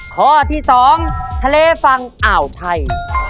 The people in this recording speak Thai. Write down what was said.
ข้อที่๒ทะเลฝั่งอ่าวไทย